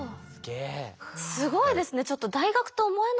すごいですね。